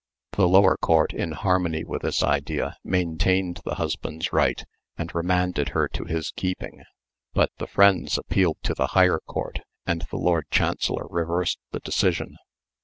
The lower court, in harmony with this idea, maintained the husband's right, and remanded her to his keeping, but the friends appealed to the higher court and the Lord Chancellor reversed the decision.